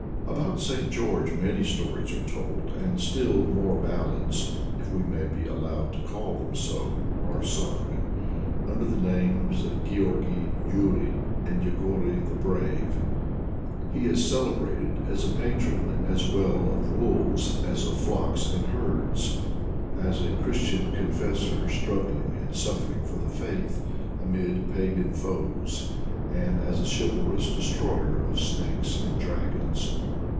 About St. George many stories are told, and still more ballads (if we may be allowed to call them so) are sung. Under the names of Georgy, Yury, and Yegory the Brave, he is celebrated as a patron as well of wolves as of flocks and herds, as a Christian Confessor struggling and suffering for the faith amid pagan foes, and as a chivalrous destroyer of snakes and dragons.